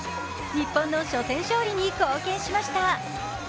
日本の初戦勝利に貢献しました。